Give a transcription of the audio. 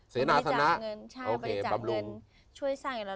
ศีราสนะปรับลุงใช่บริจาคเงินช่วยสร้างอยู่แล้ว